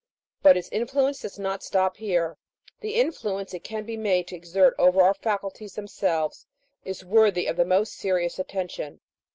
But its influence does not stop here ; the influence it can be made to exert over our faculties themselves, is worthy of the most serious attention.